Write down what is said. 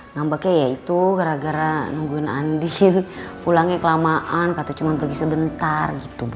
nampaknya ya itu gara gara nungguin andin pulangnya kelamaan kata cuma pergi sebentar gitu